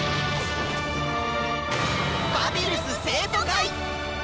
「バビルス生徒会！」。